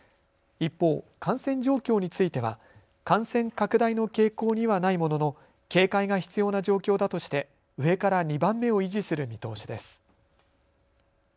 一方、感染状況については感染拡大の傾向にはないものの警戒が必要な状況だとして上から２番目を維持する見通しです。